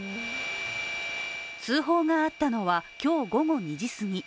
通報があったのは、今日午後２時すぎ。